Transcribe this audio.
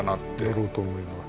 だろうと思います。